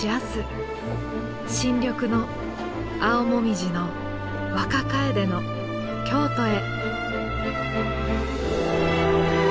新緑の青もみじの若楓の京都へ。